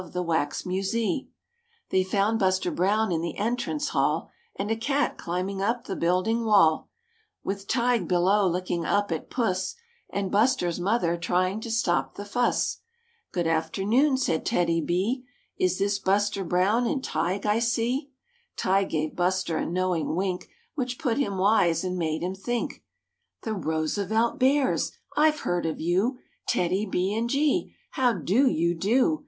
THE BEARS SEE THE WAX MUSEE 37 They found Buster Brown in the entrance hall And a cat climbing up the building wall With Tige below looking up at puss And Buster's mother trying to stop the fuss. "Good afternoon,'' said TEDDY—B, "Is this Buster Brown and Tige I see?'' (Tige gave Buster a knowing wink Which put him wise and made him think.) " The Roosevelt Bears! I've heard of you; TEDDY B and G! How do you do!